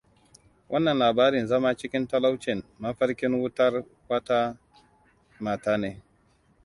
Wannan labarin zama cikin talaucin, mafarkin wautar wata mata ne.